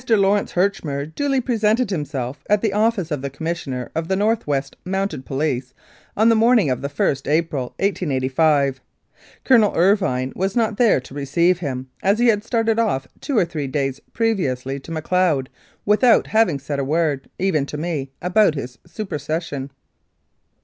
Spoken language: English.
LAWRENCE HERCHMER duly presented himself at the office of the Commissioner of the North West Mounted Police on the morning of the ist April, 1885. Colonel Irvine was not there to receive him, as he had started off two or three days previously to Macleod, without having said a word, even to me, about his supersession.